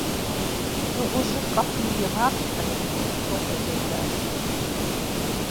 Дыгъужьыр къэпым иригъапщхьэри, мэкъумэшыщӏэр къежьэжащ.